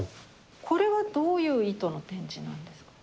これはどういう意図の展示なんですか？